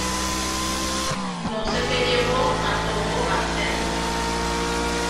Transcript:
No se que llevó a Togo a hacerlo.